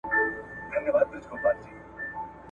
د حقوق پوهنځي ونه لوستله !.